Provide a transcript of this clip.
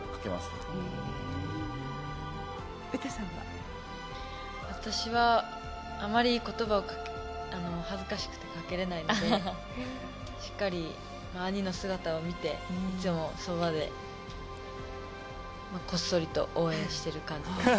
私は恥ずかしくてあまり言葉をかけられないのでしっかり、兄の姿を見ていつも、そばでこっそりと応援してる感じです。